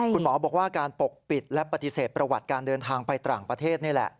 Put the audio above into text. คุณหมอบอกว่าการปกปิดและปฏิเสธประวัติการเดินทางไปต่างประเทศนี่แหละ